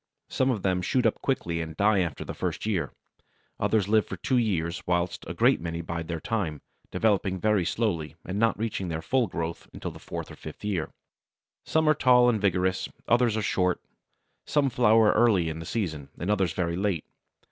Some of them shoot up quickly and die after the first year. Others live for two years, whilst a great many bide their time, developing very slowly, and not reaching their full growth until the fourth or fifth year. Some are tall and vigorous, others are short; some flower early in the season, and others very late.